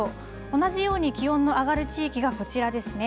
同じように気温の上がる地域がこちらですね。